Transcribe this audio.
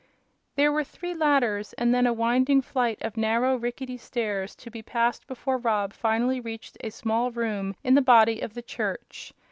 There were three ladders, and then a winding flight of narrow, rickety stairs to be passed before Rob finally reached a small room in the body of the church.